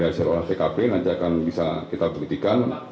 ya nanti akan di dalam dari hasil orang skp nanti akan bisa kita perhatikan